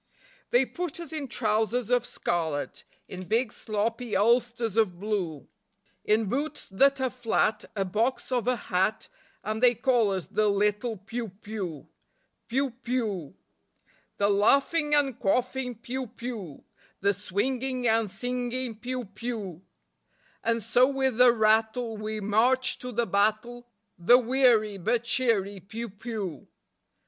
They put us in trousers of scarlet, In big sloppy ulsters of blue; In boots that are flat, a box of a hat, And they call us the little piou piou, Piou piou, The laughing and quaffing piou piou, The swinging and singing piou piou; And so with a rattle we march to the battle, The weary but cheery piou piou.